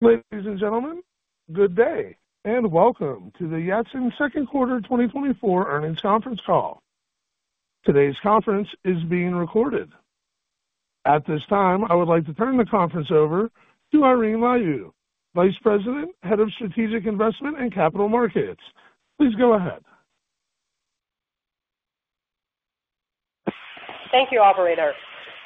Ladies and gentlemen, good day, and welcome to the Yatsen Q2 2024 Earnings Conference Call. Today's conference is being recorded. At this time, I would like to turn the conference over to Irene Lyu, Vice President, Head of Strategic Investment and Capital Markets. Please go ahead. Thank you, operator.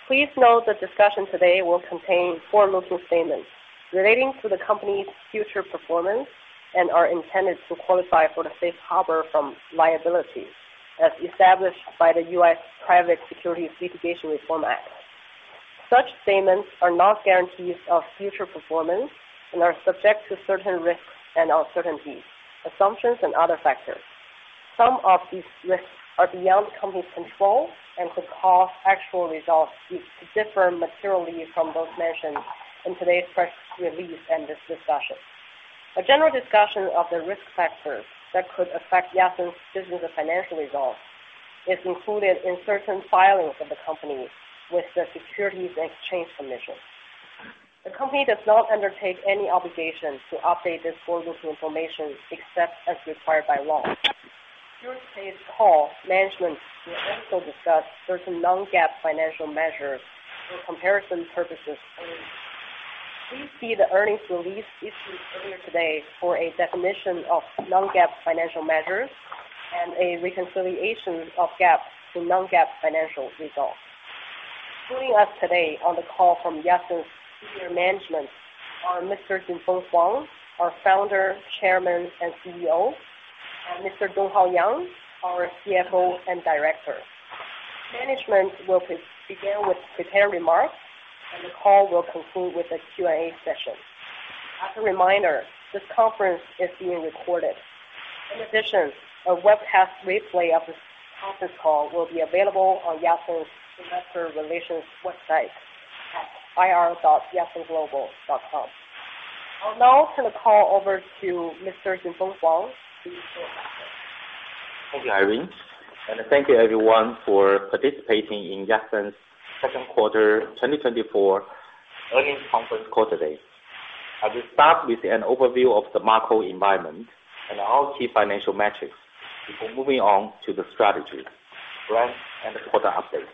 Please note the discussion today will contain forward-looking statements relating to the company's future performance and are intended to qualify for the safe harbor from liabilities, as established by the U.S. Private Securities Litigation Reform Act. Such statements are not guarantees of future performance and are subject to certain risks and uncertainties, assumptions and other factors. Some of these risks are beyond the company's control and could cause actual results to differ materially from those mentioned in today's press release and this discussion. A general discussion of the risk factors that could affect Yatsen's business and financial results is included in certain filings of the company with the Securities and Exchange Commission. The company does not undertake any obligation to update this forward-looking information except as required by law. During today's call, management will also discuss certain non-GAAP financial measures for comparison purposes only. Please see the earnings release issued earlier today for a definition of non-GAAP financial measures and a reconciliation of GAAP to non-GAAP financial results. Joining us today on the call from Yatsen's senior management are Mr. Jinfeng Huang, our Founder, Chairman, and CEO, and Mr. Donghao Yang, our CFO and Director. Management will begin with prepared remarks, and the call will conclude with a Q&A session. As a reminder, this conference is being recorded. In addition, a webcast replay of this conference call will be available on Yatsen's Investor Relations website at ir.yatsenglobal.com. I'll now turn the call over to Mr. Jinfeng Huang. Please go ahead. Thank you, Irene, and thank you everyone for participating in Yatsen's Q2 2024 earnings conference call today. I will start with an overview of the macro environment and our key financial metrics before moving on to the strategy, brand, and quarter update.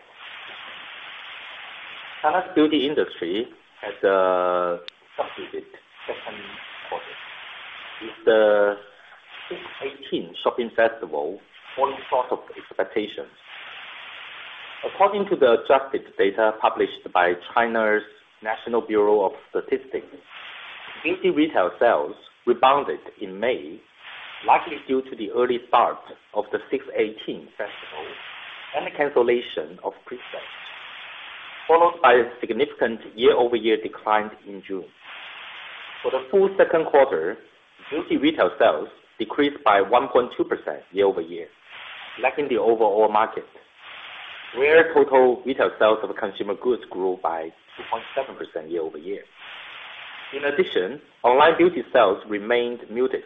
China's beauty industry had a sluggish Q2, with the 6.18 shopping festival falling short of expectations. According to the adjusted data published by China's National Bureau of Statistics, beauty retail sales rebounded in May, largely due to the early start of the 6.18 festival and the cancellation of presales, followed by a significant year-over-year decline in June. For the full Q2, beauty retail sales decreased by 1.2% year over year, lagging the overall market, where total retail sales of consumer goods grew by 2.7% year over year. In addition, online beauty sales remained muted.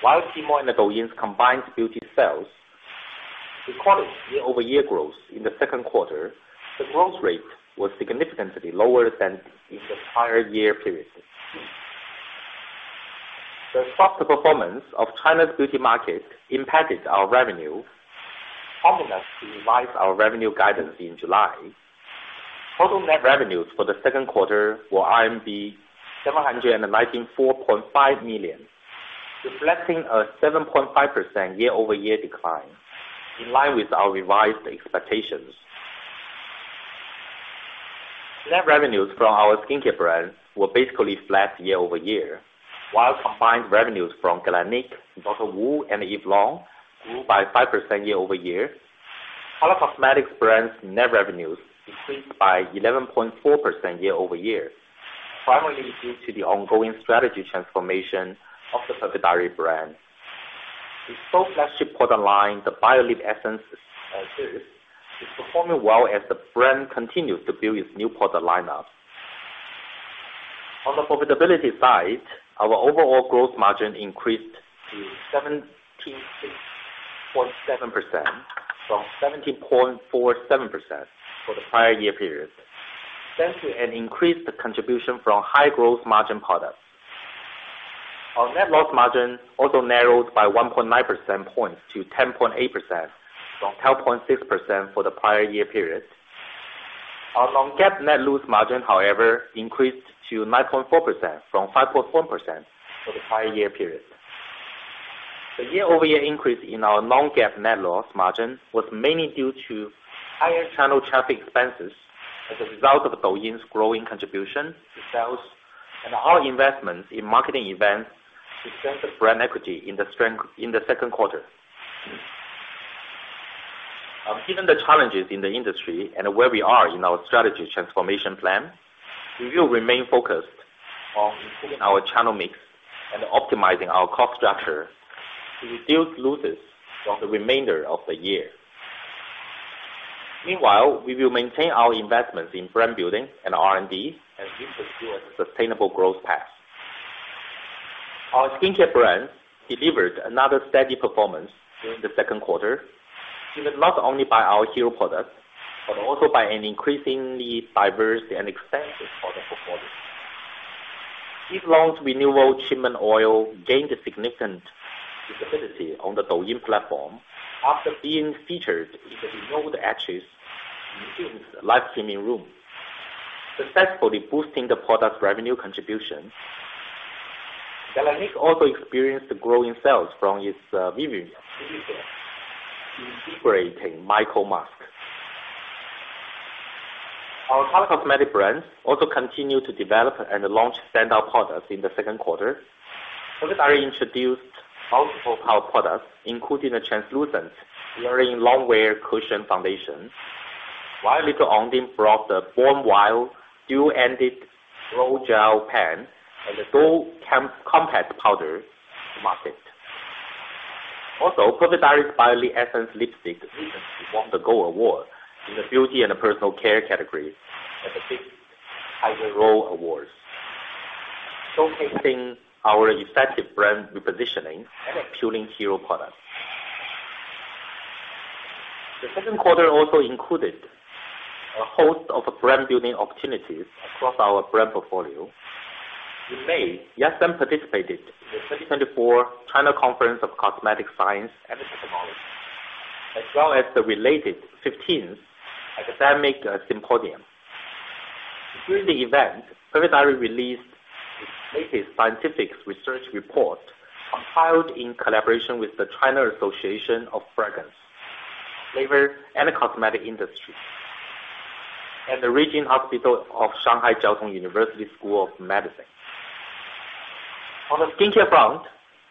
While Tmall and Douyin's combined beauty sales recorded year-over-year growth in the Q2, the growth rate was significantly lower than in the prior year period. The softer performance of China's beauty market impacted our revenue, prompting us to revise our revenue guidance in July. Total net revenues for the Q2 were 794.5 million, reflecting a 7.5% year-over-year decline, in line with our revised expectations. Net revenues from our skincare brand were basically flat year over year, while combined revenues from Galénic, Dr. Wu, and Eve Lom grew by 5% year over year. Color cosmetics brands net revenues increased by 11.4% year over year, primarily due to the ongoing strategy transformation of the Perfect Diary brand. The soft flagship product line, the Bio-Lip Essence is performing well as the brand continues to build its new product lineup. On the profitability side, our overall gross margin increased to 17.7% from 17.47% for the prior year period, thanks to an increased contribution from high gross margin products. Our net loss margin also narrowed by 1.9 percentage points to 10.8% from 12.6% for the prior year period. Our non-GAAP net loss margin, however, increased to 9.4% from 5.4% for the prior year period. The year-over-year increase in our non-GAAP net loss margin was mainly due to higher channel traffic expenses as a result of Douyin's growing contribution to sales and our investment in marketing events to strengthen brand equity in the Q2. Given the challenges in the industry and where we are in our strategy transformation plan, we will remain focused on improving our channel mix and optimizing our cost structure to reduce losses for the remainder of the year. Meanwhile, we will maintain our investments in brand building and R&D and ensure sustainable growth path. Our skincare brand delivered another steady performance during the Q2, driven not only by our hero product, but also by an increasingly diverse and expansive product portfolio. Eve Lom's Renewal Treatment Oil gained significant visibility on the Douyin platform after being featured in the renowned KOL live streaming room, successfully boosting the product's revenue contribution. Galénic also experienced growing sales from its Vivifying Micro-Capsule Mask. Our color cosmetic brands also continued to develop and launch standout products in the Q2. So we introduced multiple power products, including a translucent blurring long-wear cushion foundation, while Little Ondine brought the Born Wild dual-ended brow gel pen and the dual compact powder to market. Also, Bio-Lip lipstick recently won the Gold Award in the beauty and personal care category at the Big Beauty Role Awards, showcasing our effective brand repositioning and appealing hero product. The Q2 also included a host of brand building opportunities across our brand portfolio. In May, Yatsen participated in the twenty twenty-four China Conference of Cosmetic Science and Technology, as well as the related fifteenth Academic Symposium. During the event, DR.WU released its latest scientific research report, compiled in collaboration with the China Association of Fragrance, Flavor, and Cosmetic Industry, and the Ruijin Hospital of Shanghai Jiao Tong University School of Medicine. On the skincare front,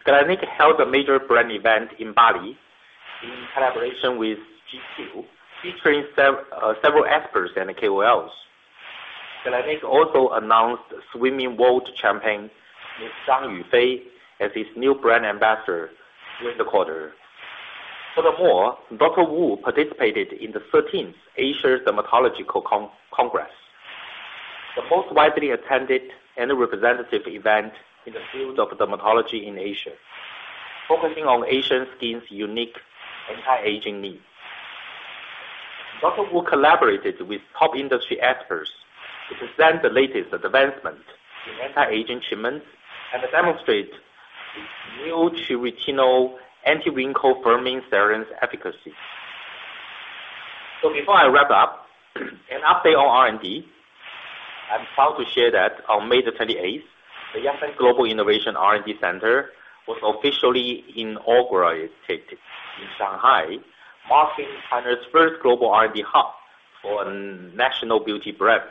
Galénic held a major brand event in Bali in collaboration with GQ, featuring several experts and KOLs. Galénic also announced swimming world champion, Zhang Yufei, as its new brand ambassador during the quarter. Furthermore, Dr. Wu participated in the thirteenth Asia Dermatological Congress, the most widely attended and representative event in the field of dermatology in Asia, focusing on Asian skin's unique anti-aging needs. Dr. Wu collaborated with top industry experts to present the latest advancement in anti-aging treatment, and to demonstrate its new retinol anti-wrinkle firming serum's efficacy. So before I wrap up, an update on R&D. I'm proud to share that on May the twenty-eighth, the Yatsen Global Innovation R&D Center was officially inaugurated in Shanghai, marking China's first global R&D hub for a national beauty brand.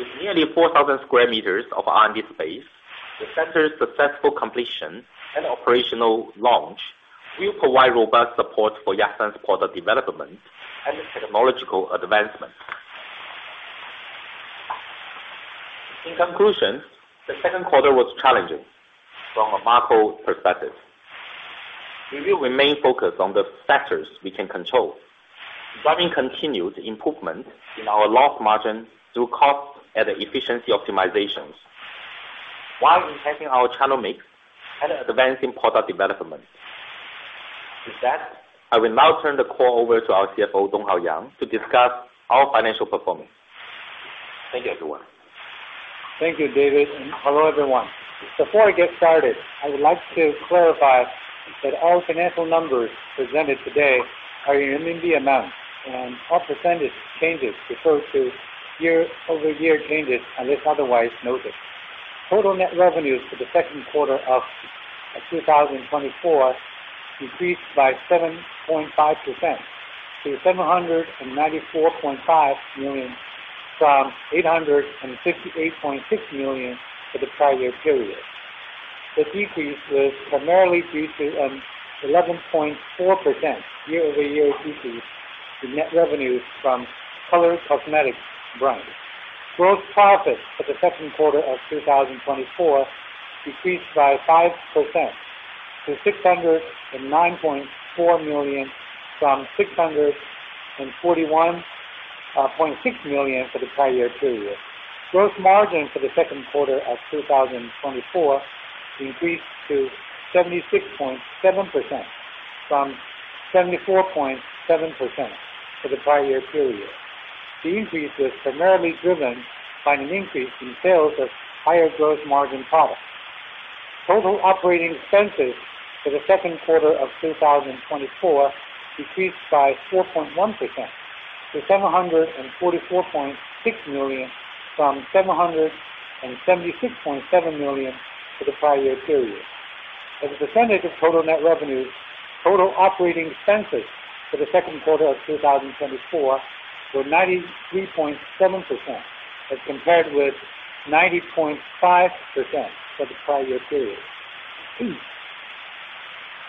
With nearly 4,000 square meters of R&D space, the center's successful completion and operational launch will provide robust support for Yatsen's product development and technological advancement. In conclusion, the Q2 was challenging from a macro perspective. We will remain focused on the factors we can control, driving continued improvement in our loss margin through cost and efficiency optimizations, while enhancing our channel mix and advancing product development. With that, I will now turn the call over to our CFO, Donghao Yang, to discuss our financial performance. Thank you, everyone. Thank you, David, and hello, everyone. Before I get started, I would like to clarify that our financial numbers presented today are in RMB, and all percentage changes refer to year-over-year changes, unless otherwise noted. Total net revenues for the Q2 of 2024 decreased by 7.5% to 794.5 million, from 858.6 million for the prior year period. The decrease was primarily due to an 11.4% year-over-year decrease in net revenues from color cosmetics brands. Gross profit for the Q2 of 2024 decreased by 5% to 609.4 million from 641.6 million for the prior year period. Gross margin for the Q2 of 2024 decreased to 76.7% from 74.7% for the prior year period. The increase was primarily driven by an increase in sales of higher gross margin products. Total operating expenses for the Q2 of 2024 decreased by 4.1% to 744.6 million, from 776.7 million for the prior year period. As a percentage of total net revenues, total operating expenses for the Q2 of 2024 were 93.7%, as compared with 90.5% for the prior year period.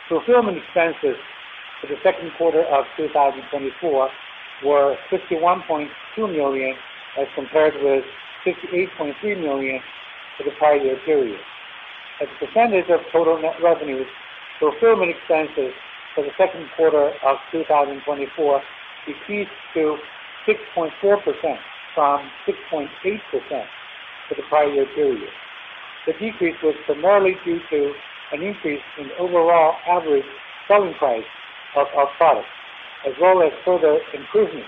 Fulfillment expenses for the Q2 of 2024 were 61.2 million, as compared with 68.3 million for the prior year period. As a percentage of total net revenues? So fulfillment expenses for the Q2 of 2024 decreased to 6.4% from 6.8% for the prior year period. The decrease was primarily due to an increase in the overall average selling price of our products, as well as further improvements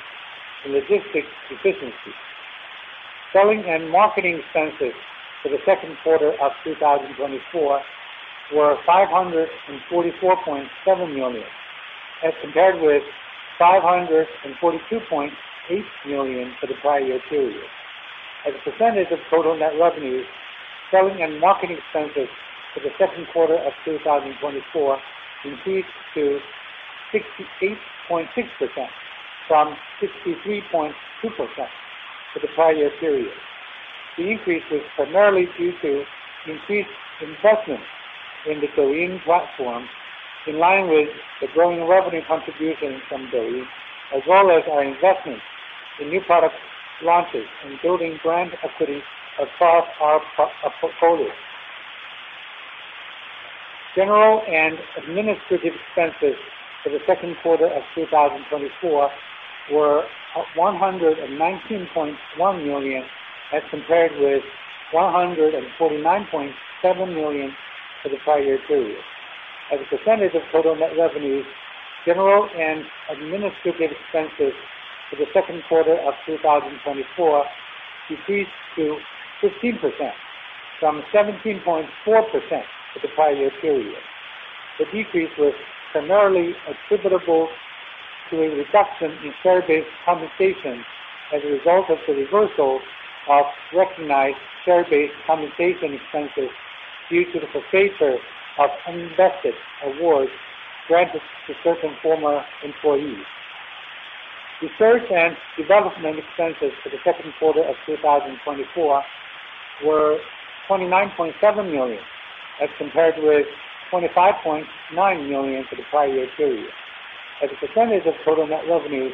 in logistics efficiency. Selling and marketing expenses for the Q2 of 2024 were 544.7 million, as compared with 542.8 million for the prior year period. As a percentage of total net revenues, selling and marketing expenses for the Q2 of 2024 increased to 68.6% from 63.2% for the prior year period. The increase was primarily due to increased investment in the Douyin platform, in line with the growing revenue contribution from Douyin, as well as our investment in new product launches and building brand equity across our portfolio. General and administrative expenses for the Q2 of 2024 were 119.1 million, as compared with 149.7 million for the prior year period. As a percentage of total net revenue, general and administrative expenses for the Q2 of 2024 decreased to 15% from 17.4% for the prior year period. The decrease was primarily attributable to a reduction in share-based compensation as a result of the reversal of recognized share-based compensation expenses due to the forfeiture of unvested awards granted to certain former employees. Research and development expenses for the Q2 of 2024 were 29.7 million, as compared with 25.9 million for the prior year period. As a percentage of total net revenue,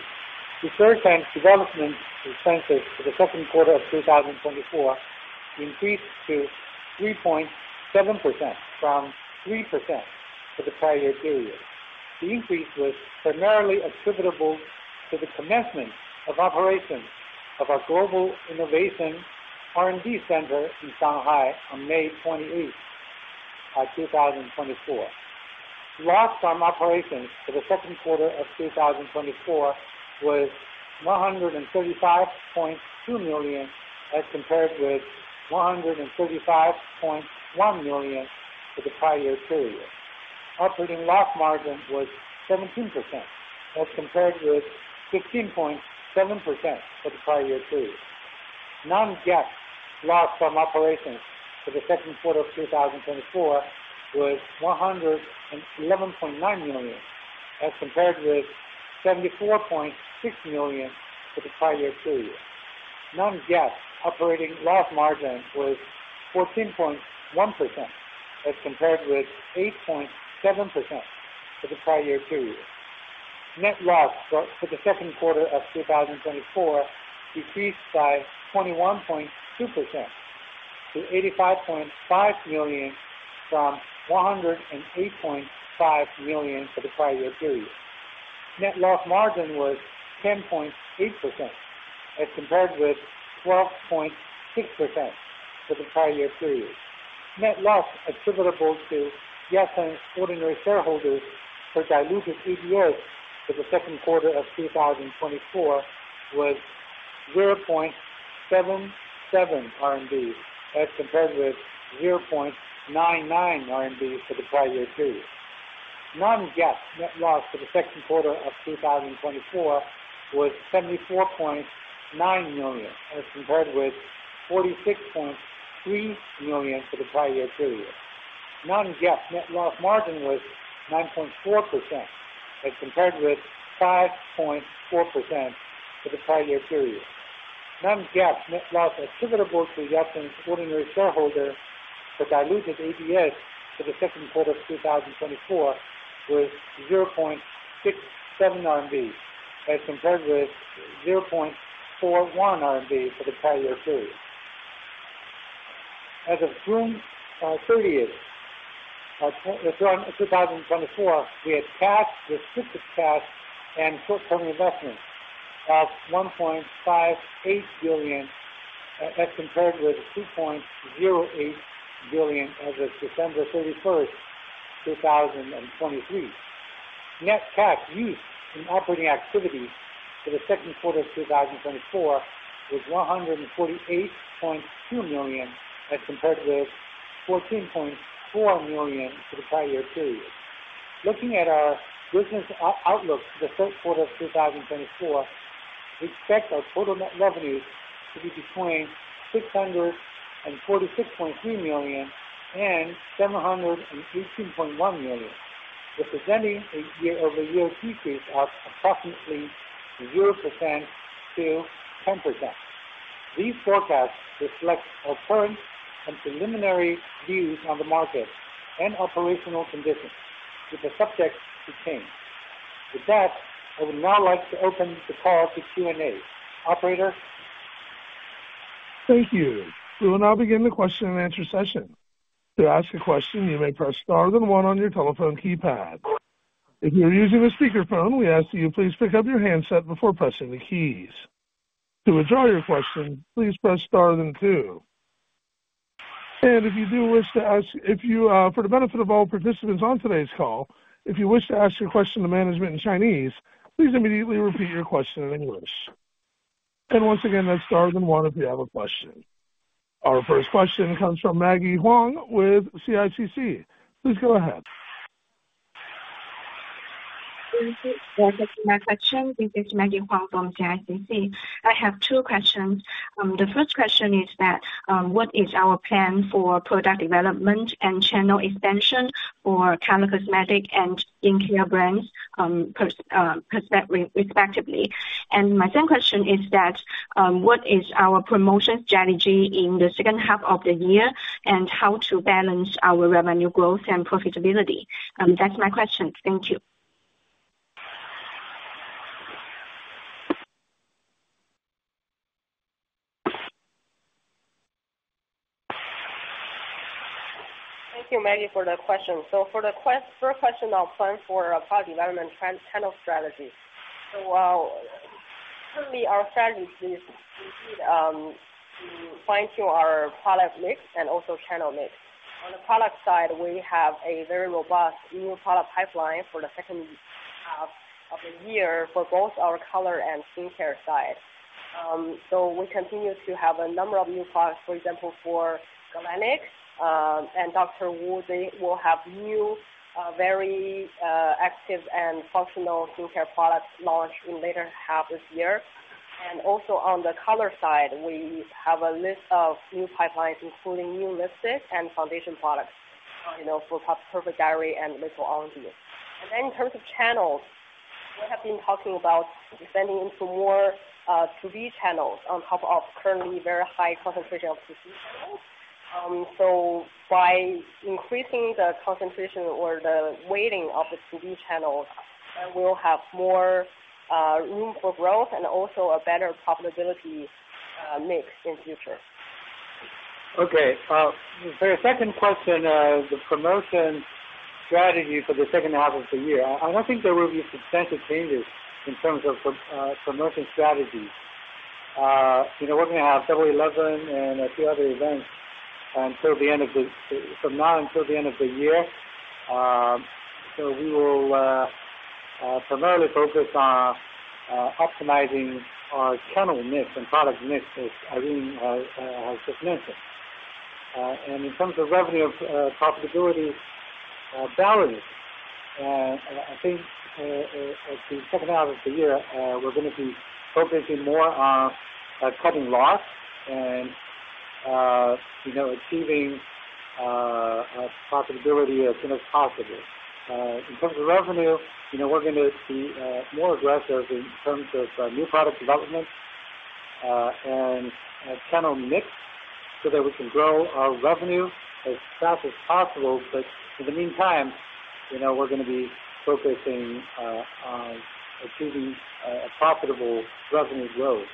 research and development expenses for the Q2 of 2024 increased to 3.7% from 3% for the prior year period. The increase was primarily attributable to the commencement of operations of our Global Innovation R&D Center in Shanghai on May twenty-eighth of 2024. Loss from operations for the Q2 of 2024 was 135.2 million, as compared with 135.1 million for the prior year period. Operating loss margin was 17%, as compared with 16.7% for the prior year period. Non-GAAP loss from operations for the Q2 of two thousand and twenty-four was 111.9 million, as compared with 74.6 million for the prior year period. Non-GAAP operating loss margin was 14.1%, as compared with 8.7% for the prior year period. Net loss for the Q2 of two thousand and twenty-four decreased by 21.2% to 85.5 million from 108.5 million for the prior year period. Net loss margin was 10.8%, as compared with 12.6% for the prior year period. Net loss attributable to Yatsen ordinary shareholders per diluted EPS for the Q2 of two thousand and twenty-four was 0.77 RMB, as compared with 0.99 RMB for the prior year period. Non-GAAP net loss for the Q2 of two thousand and twenty-four was 74.9 million, as compared with 46.3 million for the prior year period. Non-GAAP net loss margin was 9.4%, as compared with 5.4% for the prior year period. Non-GAAP net loss attributable to Yatsen ordinary shareholder for diluted EPS for the Q2 of two thousand and twenty-four was 0.67 RMB, as compared with 0.41 RMB for the prior year period. As of June thirtieth, two thousand and twenty-four, we had cash, restricted cash, and short-term investments of 1.58 billion, as compared with 2.08 billion as of December thirty-first, two thousand and twenty-three. Net cash used in operating activities for the Q2 of 2024 was 148.2 million, as compared with 14.4 million for the prior year period. Looking at our business outlook for the Q3 of 2024, we expect our total net revenues to be between 646.3 million and 718.1 million, representing a year-over-year decrease of approximately 0% to 10%. These forecasts reflect our current and preliminary views on the market and operational conditions, which are subject to change. With that, I would now like to open the call to Q&A. Operator? Thank you. We will now begin the question and answer session. To ask a question, you may press star then one on your telephone keypad. If you are using a speakerphone, we ask that you please pick up your handset before pressing the keys. To withdraw your question, please press star then two. And if you do wish to ask, if you, for the benefit of all participants on today's call, if you wish to ask your question to management in Chinese, please immediately repeat your question in English. And once again, that's star then one if you have a question. Our first question comes from Maggie Huang with CICC. Please go ahead. Thank you. Thank you for my question. This is Maggie Huang from CICC. I have two questions. The first question is that, what is our plan for product development and channel expansion for color, cosmetic and skincare brands, respectively? And my second question is that, what is our promotion strategy in the H2 of the year, and how to balance our revenue growth and profitability? That's my question. Thank you. Thank you, Maggie, for the question. For the first question, our plan for our product development channel strategy. While currently our strategy is, indeed, to fine-tune our product mix and also channel mix. On the product side, we have a very robust new product pipeline for the H2 of the year for both our color and skincare side. So we continue to have a number of new products, for example, for Galénic, and Dr. Wu. They will have new, very active and functional skincare products launched in later half this year. And also on the color side, we have a list of new pipelines, including new lipsticks and foundation products, you know, for Perfect Diary and Little Ondine. And then in terms of channels, we have been talking about expanding into more, To-B channels on top of currently very high concentration of C channels. So by increasing the concentration or the weighting of the C channels, we'll have more, room for growth and also a better profitability, mix in future. Okay, for the second question, the promotion strategy for the H2 of the year. I don't think there will be substantive changes in terms of promotion strategies. You know, we're gonna have Double Eleven and a few other events from now until the end of the year. So we will primarily focus on optimizing our channel mix and product mix, as Irene has just mentioned. And in terms of revenue, profitability, balance at the H2 of the year, we're gonna be focusing more on cutting loss and you know, achieving profitability as soon as possible. In terms of revenue, you know, we're gonna be more aggressive in terms of new product development and channel mix, so that we can grow our revenue as fast as possible. But in the meantime, you know, we're gonna be focusing on achieving a profitable revenue growth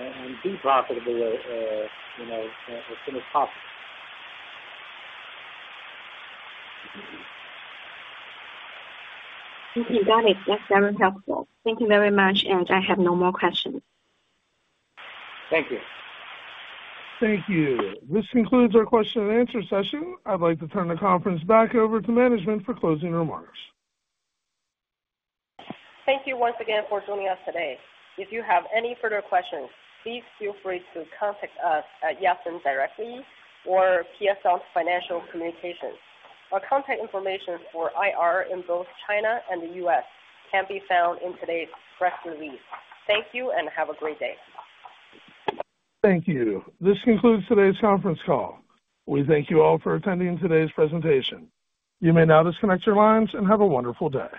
and be profitable, you know, as soon as possible. Okay, got it. That's very helpful. Thank you very much, and I have no more questions. Thank you. Thank you. This concludes our question and answer session. I'd like to turn the conference back over to management for closing remarks. Thank you once again for joining us today. If you have any further questions, please feel free to contact us at Yatsen directly or PSL Financial Communications. Our contact information for IR in both China and the U.S. can be found in today's press release. Thank you and have a great day. Thank you. This concludes today's conference call. We thank you all for attending today's presentation. You may now disconnect your lines and have a wonderful day.